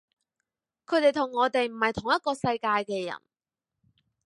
佢哋同我哋唔係同一個世界嘅人